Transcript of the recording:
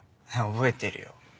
覚えてるよ。